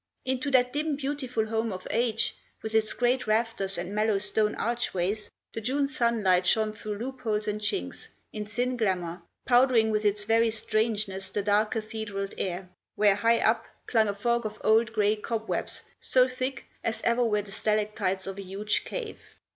Into that dim, beautiful home of age, with its great rafters and mellow stone archways, the June sunlight shone through loopholes and chinks, in thin glamour, powdering with its very strangeness the dark cathedraled air, where, high up, clung a fog of old grey cobwebs so thick as ever were the stalactites of a huge cave.